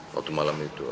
waktu malam itu